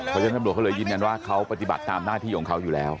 กระทั่งจำรวจเหลือยินว่าเขาปฏิบัติตามหน้าที่ของเขาอยู่แล้ว